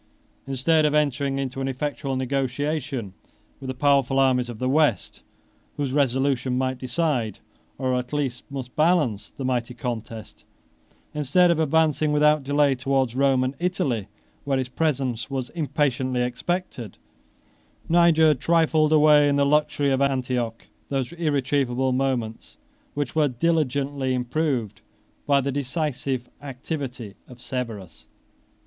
Instead of entering into an effectual negotiation with the powerful armies of the West, whose resolution might decide, or at least must balance, the mighty contest; instead of advancing without delay towards Rome and Italy, where his presence was impatiently expected, 24 Niger trifled away in the luxury of Antioch those irretrievable moments which were diligently improved by the decisive activity of Severus.